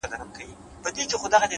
پوهه د انسان تلپاتې ځواک دی’